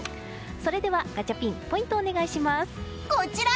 それではガチャピンポイントお願いします。